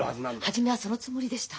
初めはそのつもりでした。